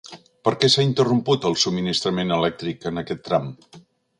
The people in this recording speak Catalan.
Per què s'ha interromput el subministrament elèctric en aquest tram?